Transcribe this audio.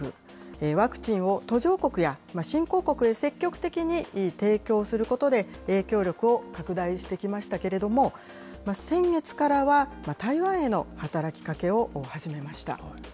ワクチンを途上国や新興国へ積極的に提供することで、影響力を拡大してきましたけれども、先月からは台湾への働きかけを始めました。